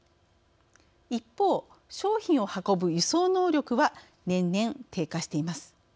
一方、商品を運ぶ輸送能力は年々、低下しています。